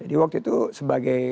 jadi waktu itu sebagai